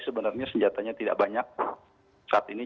sebenarnya senjatanya tidak banyak saat ini